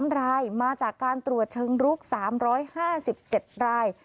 ๓รายมาจากการตรวจเชิงรุก๓๕๗ราย